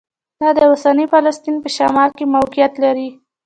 دا د اوسني فلسطین په شمال کې موقعیت لري.